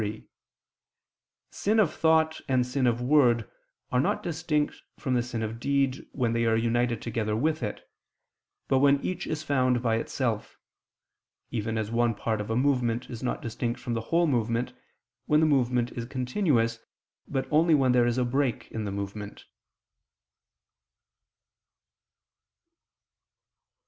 3: Sin of thought and sin of word are not distinct from the sin of deed when they are united together with it, but when each is found by itself: even as one part of a movement is not distinct from the whole movement, when the movement is continuous, but only when there is a break in the movement.